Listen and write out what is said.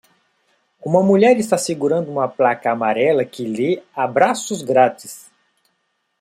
Uma mulher está segurando uma placa amarela que lê abraços grátis